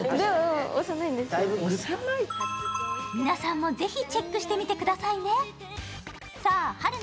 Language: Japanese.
皆さんもぜひ、チェックしてみてくださいね。